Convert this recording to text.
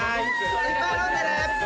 いっぱい飲んでね！